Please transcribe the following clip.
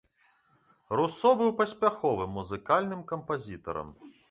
Русо быў паспяховым музыкальным кампазітарам.